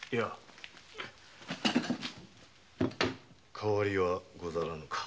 変わりはござらぬか。